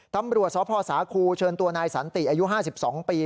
ตำรวจสพสาคูเชิญตัวนายสันติอายุ๕๒ปี